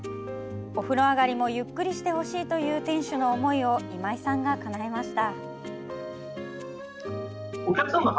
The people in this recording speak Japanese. お風呂上がりもゆっくりしてほしいという店主の思いを今井さんがかなえました。